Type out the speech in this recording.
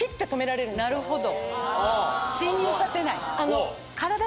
なるほど。